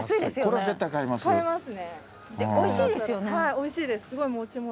はいおいしいです。